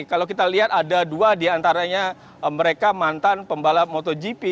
kalau kita lihat ada dua diantaranya mereka mantan pembalap motogp